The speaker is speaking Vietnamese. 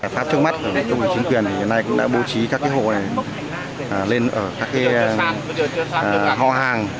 pháp trước mắt của chủ tịch chính quyền thì hôm nay cũng đã bố trí các cái hộ này lên ở các cái ho hàng